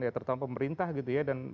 ya terutama pemerintah gitu ya